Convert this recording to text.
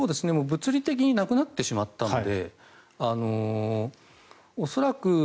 物理的になくなってしまったので恐らく